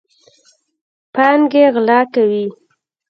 پانګې غلا کوي.